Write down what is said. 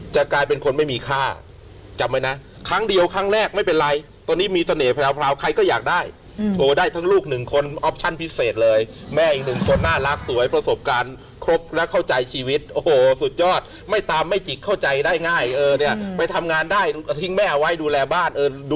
จะกลายเป็นคนไม่มีค่าจำไว้นะครั้งเดียวครั้งแรกไม่เป็นไรตอนนี้มีเสน่หราวใครก็อยากได้โทรได้ทั้งลูกหนึ่งคนออปชั่นพิเศษเลยแม่อีกหนึ่งคนน่ารักสวยประสบการณ์ครบและเข้าใจชีวิตโอ้โหสุดยอดไม่ตามไม่จิกเข้าใจได้ง่ายเออเนี่ยไปทำงานได้ทิ้งแม่ไว้ดูแลบ้าน